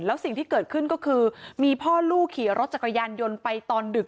แล้วสิ่งที่เกิดขึ้นก็คือมีพ่อลูกขี่รถจักรยานยนต์ไปตอนดึก